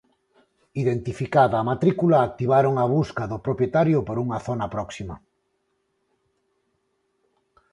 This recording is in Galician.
Identificada a matrícula activaron a busca do propietario por unha zona próxima.